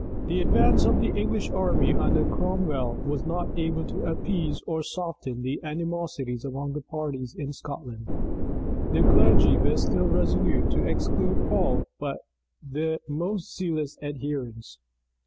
The advance of the English army under Cromwell was not able to appease or soften the animosities among the parties in Scotland. The clergy were still resolute to exclude all but their most zealous adherents.